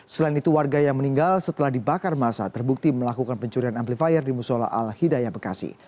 selain itu warga yang meninggal setelah dibakar masa terbukti melakukan pencurian amplifier di musola al hidayah bekasi